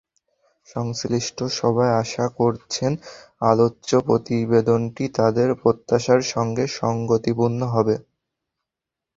সংশ্লিষ্ট সবাই আশা করছেন, আলোচ্য প্রতিবেদনটি তাঁদের প্রত্যাশার সঙ্গে সংগতিপূর্ণ হবে।